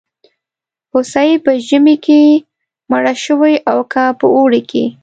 هوسۍ په ژمي کې مړه شوې او که په اوړي کې.